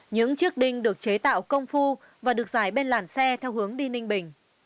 những chiếc đinh được chế tạo công phu và được giải bên làn xe theo hướng đi ninh bình